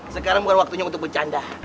sekarang bukan waktunya untuk bercanda